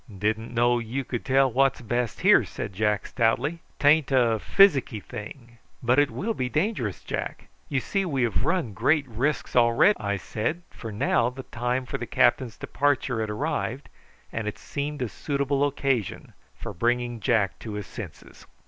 "Didn't know you could tell what's best here," said Jack stoutly. "'Tain't a physicky thing." "But it will be dangerous, Jack. You see we have run great risks already," I said, for now the time for the captain's departure had arrived, and it seemed a suitable occasion for bringing Jack to his senses.